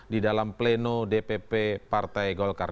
di dalam pleno dpp partai golkar